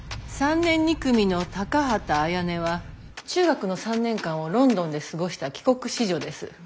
３年２組の高畑あやねは中学の３年間をロンドンで過ごした帰国子女です。